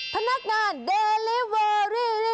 พนักงานเดลิเวอรี่